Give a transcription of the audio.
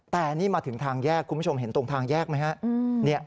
แต่นี่มาถึงทางแยกคุณผู้ชมเห็นตรงทางแยกไหมฮะ